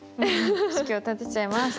式を立てちゃいます！